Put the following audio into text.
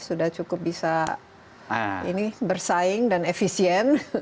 sudah cukup bisa bersaing dan efisien